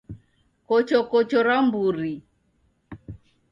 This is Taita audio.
Kochokocho ra mburi.